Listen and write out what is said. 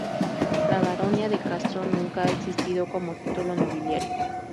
La "Baronía de Castro" nunca ha existido como título nobiliario.